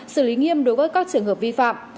xử lý nghiêm đối với các trường hợp vi phạm